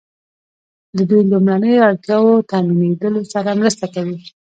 د دوی لومړنیو اړتیاوو تامینیدو سره مرسته کوي.